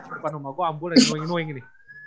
depan rumah gua ambulan noing noing ini